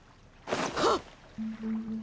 はっ！